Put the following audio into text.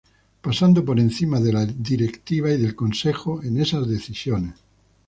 Pasando por encima de la directiva y del consejo en esas decisiones.